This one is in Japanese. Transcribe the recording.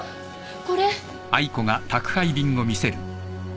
これ。